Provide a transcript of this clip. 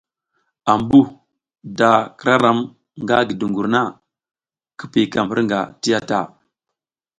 Ambu da k ira ram nga gi dungur na, ki kiykam hirnga ti ya ta.